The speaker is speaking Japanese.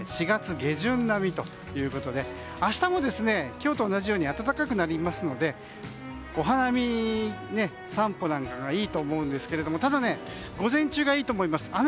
４月下旬並みということで明日も今日と同じように暖かくなりますのでお花見散歩なんかがいいと思うんですけどただ、午前中がいいと思います。